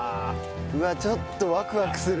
うわっちょっとワクワクする。